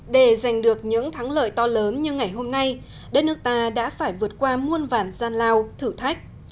để giành được những thắng lợi to lớn như ngày hôm nay đất nước ta đã phải vượt qua muôn vàn gian lao thử thách